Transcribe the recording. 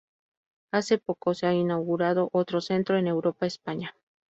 Hace poco se ha inauguró otro centro en Europa España.